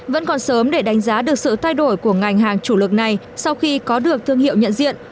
vẫn còn sớm để đánh giá được sự thay đổi của ngành hàng chủ lực này sau khi có được thương hiệu nhận diện